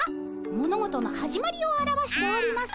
物事の始まりを表しております。